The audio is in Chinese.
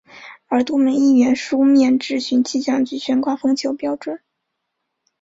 而多名议员书面质询气象局悬挂风球标准。